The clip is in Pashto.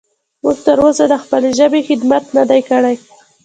موږ تر اوسه د خپلې ژبې خدمت نه دی کړی.